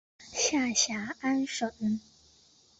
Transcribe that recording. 下辖安省。